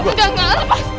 udah enggak lepas